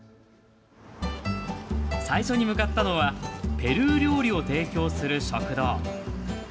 最初に向かったのはペルー料理を提供する食堂。